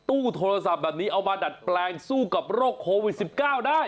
ตู้โทรศัพท์แบบนี้เอามาดัดแปลงสู้กับโรคโควิด๑๙ได้